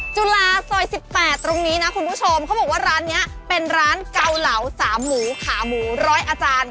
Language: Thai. จุฬาซอย๑๘ตรงนี้นะคุณผู้ชมเขาบอกว่าร้านนี้เป็นร้านเกาเหลาสามหมูขาหมูร้อยอาจารย์